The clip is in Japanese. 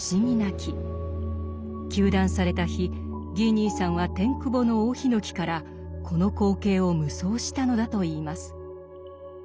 糾弾された日ギー兄さんはテン窪の大檜からこの光景を夢想したのだといいます。